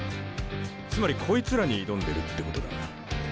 つまりこいつらに挑んでるってことだ。